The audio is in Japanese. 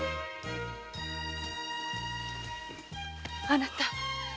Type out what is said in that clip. あなた。